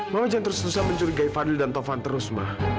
mama jangan terus terusan mencurigai fadil dan taufan terus ma